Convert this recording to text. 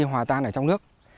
khi hòa tan ở trong nước